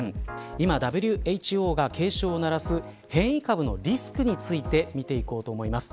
今ＷＨＯが警鐘を鳴らす変異株のリスクについて見ていこうと思います。